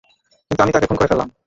কিন্তু আমি তাকে খুন করে ফেললাম।